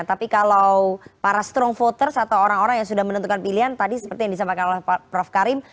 tapi kalau para strong voters atau orang orang yang sudah menentukan pilihan tadi seperti yang disampaikan oleh prof karim